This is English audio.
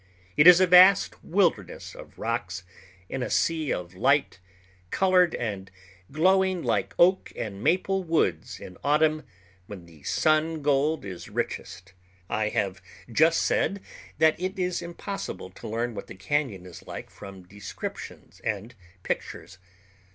It is a vast wilderness of rocks in a sea of light, colored and glowing like oak and maple woods in autumn, when the sun gold is richest. I have just said that it is impossible to learn what the cañon is like from descriptions and pictures.